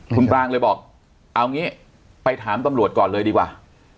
คุณปรางเลยบอกเอางี้ไปถามตำรวจก่อนเลยดีกว่า